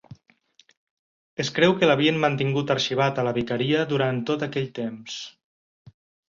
Es creu que l'havien mantingut arxivat a la vicaria durant tot aquell temps.